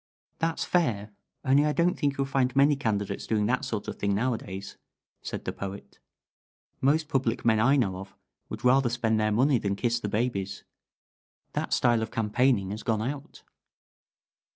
"That's fair, only I don't think you'll find many candidates doing that sort of thing nowadays," said the Poet. "Most public men I know of would rather spend their money than kiss the babies. That style of campaigning has gone out."